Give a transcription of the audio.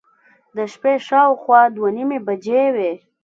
د شپې شاوخوا دوه نیمې بجې وې.